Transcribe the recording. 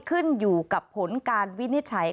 ขึ้นอยู่กับผลการวินิจฉัย